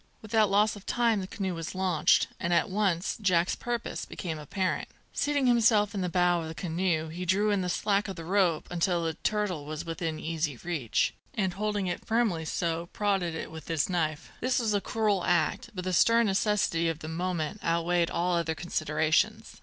Without loss of time the canoe was launched, and at once Jack's purpose became apparent. Seating himself in the bow of the canoe, he drew in the slack of the rope until the turtle was within easy reach, and, holding it firmly so, prodded it with his knife. This was a cruel act, but the stern necessity of the moment outweighed all other considerations.